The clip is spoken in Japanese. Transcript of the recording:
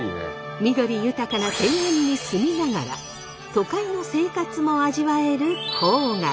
緑豊かな庭園に住みながら都会の生活も味わえる郊外。